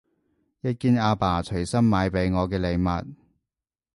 一件阿爸隨心買畀我嘅禮物